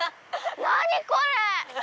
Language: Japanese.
何これ！